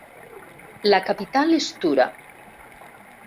La capital és Tura.